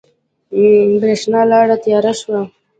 برېښنا لاړه تیاره شوه